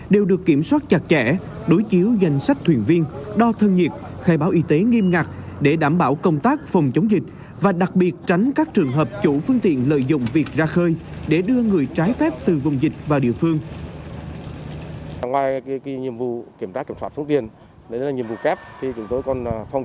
đều được kiểm soát chặt chẽ đối chiếu danh sách thuyền viên đo thân nhiệt khai báo y tế nghiêm ngặt để đảm bảo công tác phòng chống dịch và đặc biệt tránh các trường hợp chủ phương tiện lợi dụng việc ra khơi để đưa người trái phép từ vùng dịch vào địa phương